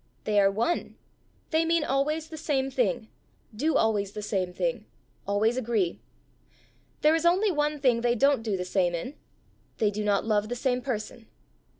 "They are one; they mean always the same thing, do always the same thing, always agree. There is only one thing they don't do the same in they do not love the same person."